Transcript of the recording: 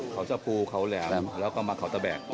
เขาชะปูเขาแล้วแล้วก็มาขอตะแบก